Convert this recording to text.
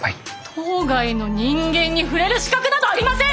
島外の人間に触れる資格などありません！